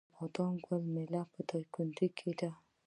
د بادام ګل میله په دایکنډي کې ده.